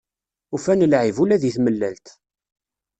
Ufan lɛib, ula di tmellalt.